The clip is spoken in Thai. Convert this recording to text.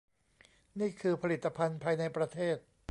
นี่คือผลิตภัณฑ์ภายในประเทศ